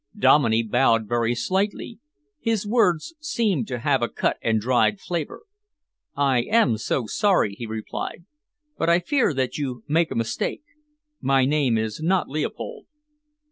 Dominey bowed very slightly. His words seemed to have a cut and dried flavour. "I am so sorry," he replied, "but I fear that you make a mistake. My name is not Leopold."